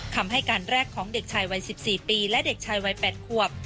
คำให้การแรกของเด็กชายวัย๑๔ปีและเด็กชายวัย๘ขวบ